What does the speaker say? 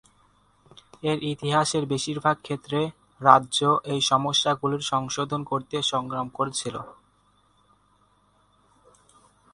এর ইতিহাসের বেশিরভাগ ক্ষেত্রে, রাজ্য এই সমস্যাগুলি সংশোধন করতে সংগ্রাম করেছিল।